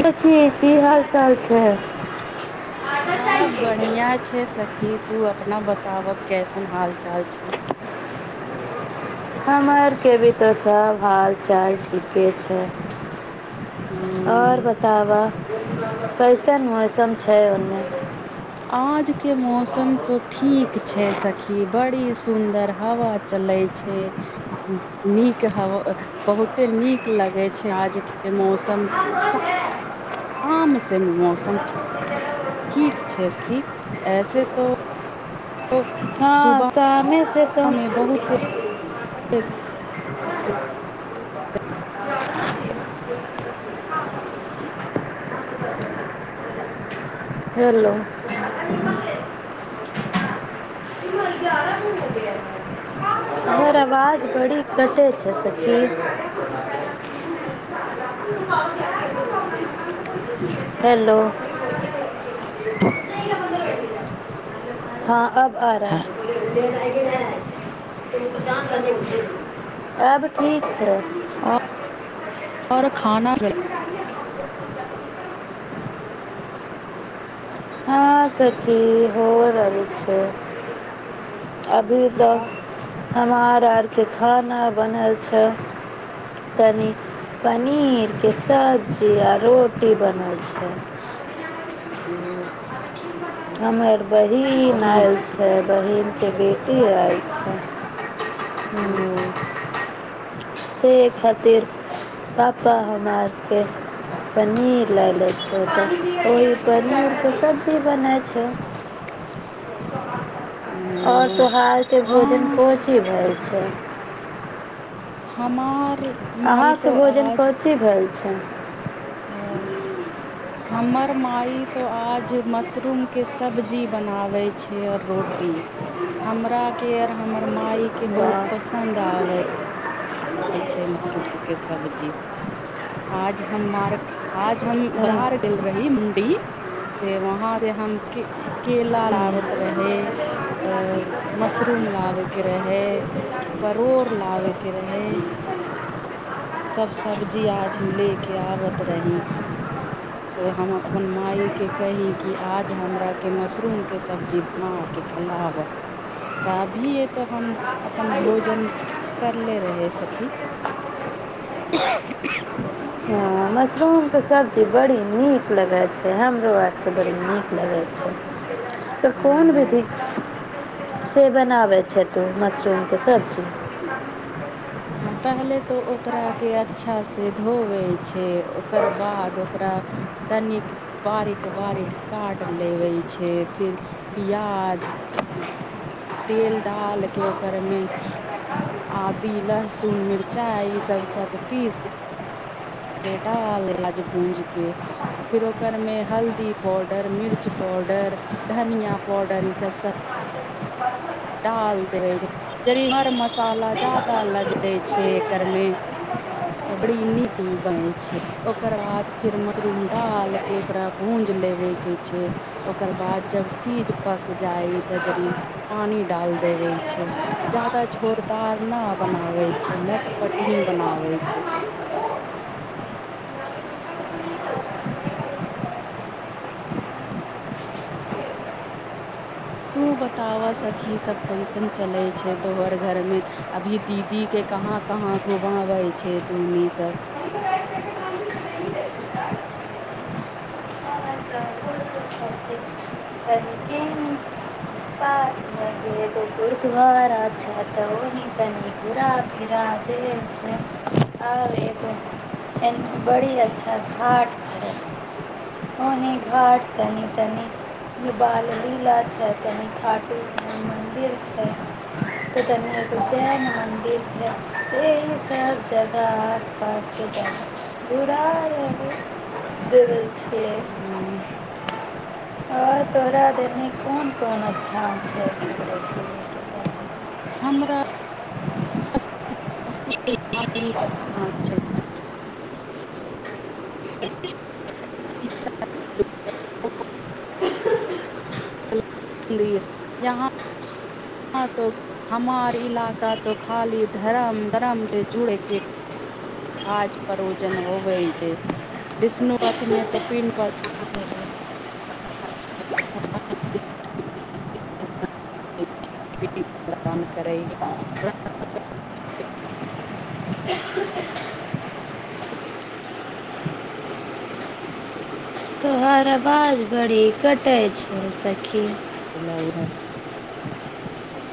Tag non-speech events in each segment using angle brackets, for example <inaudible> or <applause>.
सखी की हाल चाल छै सब बढ़िआं छै सखी तू अपना बता ताब' कैसन हाल चाल छै हमरके भी तऽ सभ हाल चाल ठीके छै और ह बताबा कैसन मौसम छै ओने आज के मौसम तो ठीक छै सखी बड़ी सुन्दर हवा चलै छै नीक हवा बहुते नीक लगै छै आजके मौसम श म से मौसम ठीक छै सखी ऐसे तो हँ सुबह शामेसँ तऽ मे बहुते हेलो हमर आवाज बड़ी कटै छै सखी हेलो त <inaudible> हँ अब आ रहा आब ठीक छै आऔर खाना गल हेलो हंसब ठीक होर ठीक छै अभी का तऽ हमर आरके खाना बनल छै नी पनीर के सब्जी आ रोटी बनल छै ह हमर बहिन आएल नीक छै बहिन त बेटी आएल छै ओ हूँ से खातिर पापा हमरा आरके पनीर लए लै छै तऽ ओही पनीरके सबजी बनै छैय और ओ तोहारके भोजन हँ को चीज भैल छैय हमार माई अहााँके भोजन कथि भेल हुम् ह हमर माइ तो आज मशरूम के सब्जी बनावे छै आर रोटी हमरा के आर हमर मााय के बहुत पसंन्द आवे छै मशरूम के सब्जी आज हमार आज हम बाहर गेल रही मण्डी से वहाँ से हम केला लाबत रहे अ मशरूम लाबे के रहे परोड़ लाबे के रहे सब सब्जी आज हम ले के आबैत रही से हम अपन मााय के कही कि आज हमरा के मशरूम के सब्जी बना के खलाब तऽ अभी ए तो हम अपन भोजन करले रहे की हँ मशरूमके सबजी बड़ी नीक लगै छै हमरो आरके बड़ी नीक लगै छै तऽ कोन अ दीदी से बनाबै छै तू मशरूमके सबजी पहिले तऽ ओकरा के अच्छा से धोवे छै ओकर बाद ओकरा तनिक बारिक बारीक काट लेबे छै फिर प्याज तेल डाल के ओकरमे आ दी लहसुन मिरचाई ईसभ सब पीस के डालाज पूज के फिर ओकर मे हल्दी पाउडर मिर्च पाउडर धनिया पाउडर ईसभ सब डालि देबै जड़ हर मसाला जादा लगै छै एकरमे तऽ बड़ी नीक बनै छै ओकर बाद फेर मशरूम डालि कऽ ओकरा भूजि लेबयके छै ओकर बाद जब सीझ पकि जाइ तऽ जड़ पानी डाल देबे छै जादा झोरदार नहि बनाबै छै लटपट ही बनाबै छै ह तु बताबऽ सखी सभ कैसन चलै छै तोहर घरमे अभी दीदीे कहाँ कहाँ घुमाबै छै तूनी सब तनिके पास मे एगो त ओनी तनी घुरा फिरा दे छै आ एगो बड़ी अच्छा घाट छ ओ घाट तनि तनी बाल लीला छनि खाटू स मंदिर छै कथि छै एहि सब जगह आस पासके जह बुरा रहे देबय छै ह आओर तोहरा देनी कोन कोन स्थान छै हमरा बहुत धार्मिक स्थान छै सखि मन्दिर यहाँ त हमार इलाका त खाली धरम बरम से जुड़ के काज प्रोजन होबे हे विष्णु पथ में तो पिं के काम करै ओहर आवाज बड़ी कटै छै सखी इिलउह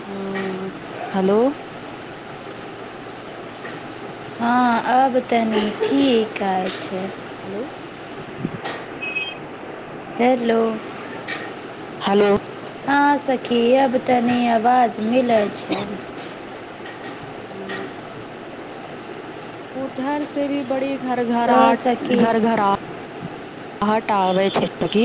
ह हेलो हँ अब तनी की कहै छै हेलो हलो हेलो की अब तनी आवाज मिलै छै ह्म उधर से भी बड़ी घर तो घराहट सखी, घर घर आ ट आबै छै सखी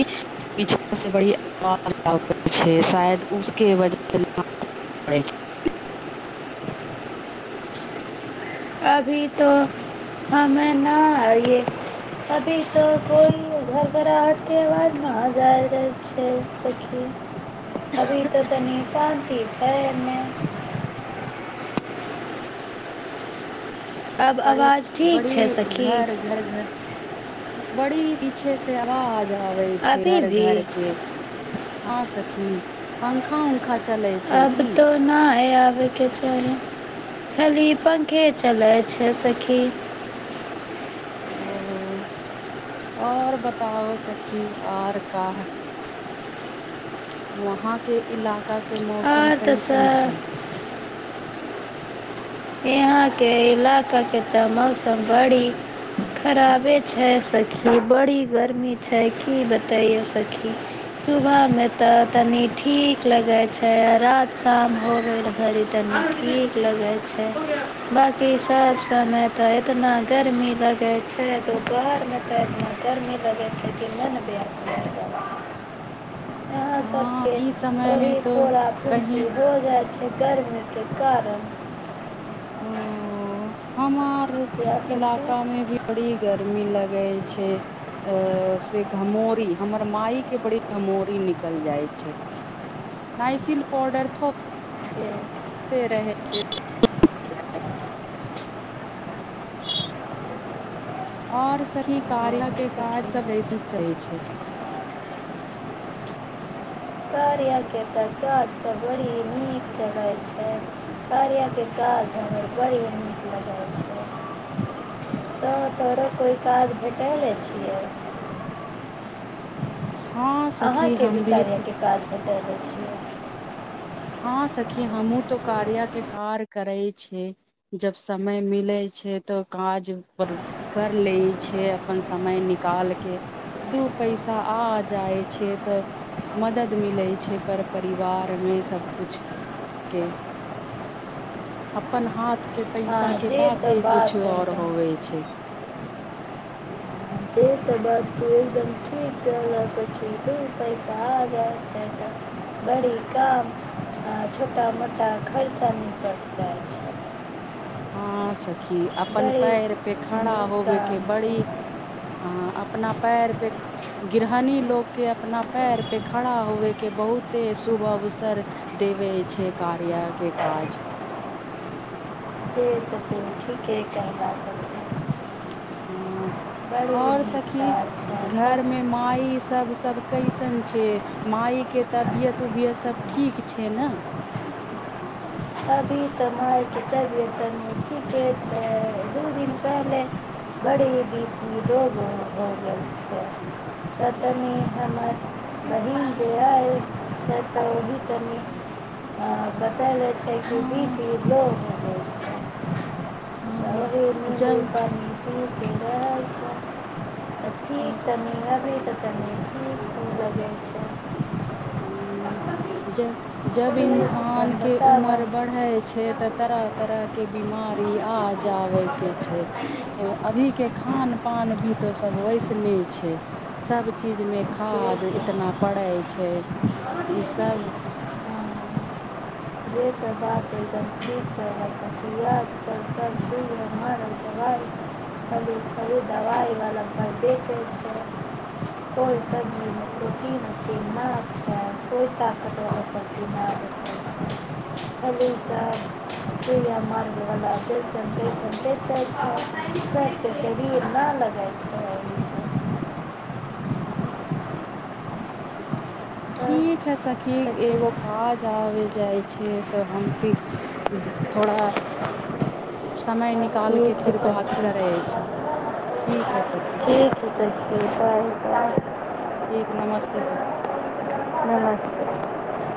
पीछा से बड़ी आवाज आबै छै शायद उसके वजहसँ <unintelligible> अभी तऽ हमे न आइए अभी तऽ कोई घड़घड़ाहटके अवाज नहि जाइ छै सखी अभी तऽ तनिस शान्ति छै एने आब बड़ी आवाज ठीक छै बड़ी सखी घर घर घर बड़ी पीछे से अवाज जाबै छै अभी घर भी घर के हँ सखी पंखा उंखा चलै छै आब की तऽ नहि आबयके चाही खाली पंखे चलै छै सखी ओ और बताबऽ सखी आर का वहाँ के इलाका के मौसम सम आओर तऽ कइसन सब छै यहाॅं के इलाका के तऽ मौसम बड़ी खराबे छै सखी बड़ी गर्मी छै की बतैयो सखी सुबह मे तऽ तनि ठीक लगे छै आ रात शाम होवे घड़ी तनी ठीक लगै छै बाँकी सभ समय तऽ इतना गर्मी लगै छै दोपहरमे तऽ इतना गर्मी लगै छै कि मन व्याकुल भऽ जाइछ यहाँ हँ सबके ई समय ओहि मे तो फोरा कहीं फुंसी हो जाइ छै गर्मी केे कारण ओ हमर या सखी इलाका में भी बड़ी गर्मी लग लागैछै से घमोरी हमर माय के बड़ी घमोरी निकल जाइ छै नाइसिल पाउडर जे थोपते रहै छै <unintelligible> आओर सखी कार्या जेमे के काज सखी सभ कइसन चलै छै कार्या के त काज सब बड़ी नीक चलै छै कार्या के काज हमर बड़ी नीक लगै छै तऽ तोरो कोइ काज भेटैल दैय छियै हँ सखी अहाँके भी हम कार्या के काज भ टल छियै हँ सखी हमहूँ तो कार्या के कार्य करै छै जब समय मिलैत छै तऽ काज पर कर ले छै अपन समय निकाल के दू पैसा आ जाइ छै तऽ मदद मिलैत छै पर परिवार मे सब कुछ के अपन हाथ के हां, पैसा के जे त बाते कुछ बात और एकदम होवे छै से तऽ बात तू एकदम ठीक कहलऽ सखी दू पैसा आ जाय छै ने तऽ बड़ी काम छोट मोटा खर्चा निकलि जाइत छै ह सखी की अपन पैर पे बड़ी खड़ा नीक होबे के काम बड़ी छै। हं अपना पैर पे गृहणी लोक के अपना पैर पे खड़ा होवे के बहुते शुभ अवसर देबय छै कार्या के काज से त' तों ठीके कहला सखी हँ और नीक सखी काज छै। तब, घरमे माइ सब सब कैसन छै मायके तबियत उबियत सब ठीक छै ने <unintelligible> छै कि हँ बीपी लो भ' गेलै <unintelligible> <unintelligible> हँ तऽ जब ह ठीक तनी अभी तनी ठीक की लगै छै हं जब तू जब इन्सान अपन के बताबऽ उमर से बढ़ै छै तऽ तरह तरह के बीमार ई आ तऽ जाबे हँ, के छै अभी के खान पान भी त सब वैसन नै छै सब चीजमे खाद इतना पड़ै छै की सभ <unintelligible> कोइ सब्जीमे रोटी नइ ना अच्छा कोई ताकत नहि सखी मायके <unintelligible> हुं ठीक है सखी एगो काज आबे जाइ छै तऽ हम भी थोड़ा समय निकाल के ठीक हइ फिर बात सखी करै छै ठीक है सखी ठीक हइ सखी तब त ठीक नमस्ते सखी नमस्ते